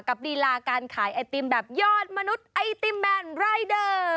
ลีลาการขายไอติมแบบยอดมนุษย์ไอติมแบนรายเดอร์